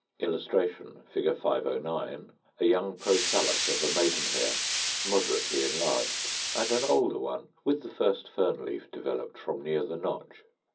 [Illustration: Fig. 509. A young prothallus of a Maiden hair, moderately enlarged, and an older one with the first fern leaf developed from near the notch.